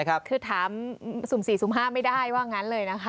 คือถามสุ่มสี่สุ่มห้าไม่ได้ว่างั้นเลย